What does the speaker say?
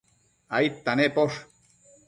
aidta nemposh?